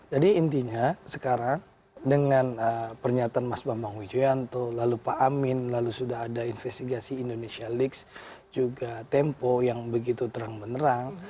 jadi intinya sekarang dengan pernyataan mas bambang wijoyanto lalu pak amin lalu sudah ada investigasi indonesia leaks juga tempo yang begitu terang menerang